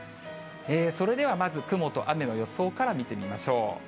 それではまず雲と雨の予想から見てみましょう。